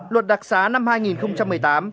luật đặc sán năm hai nghìn một mươi tám